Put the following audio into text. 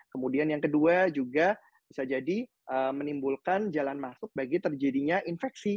kemudian yang kedua juga bisa jadi menimbulkan jalan masuk bagi terjadinya infeksi